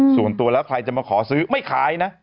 ส่วนตัวแล้วใครจะมาขอซื้อไม่ขายนะ